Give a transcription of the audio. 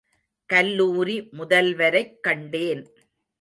கல்லூரி முதல்வரைக் கண்டேன்.